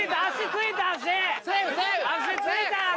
足ついた足